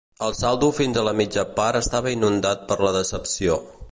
El saldo fins a la mitja part estava inundat per la decepció.